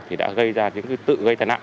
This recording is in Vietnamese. thì đã gây ra những tự gây tai nạn